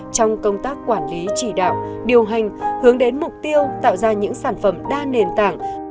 trong công tác quản lý chỉ đạo điều hành hướng đến mục tiêu tạo ra những sản phẩm đa nền tảng